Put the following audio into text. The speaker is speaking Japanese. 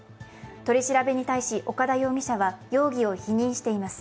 取り調べに対し岡田容疑者は容疑を否認しています。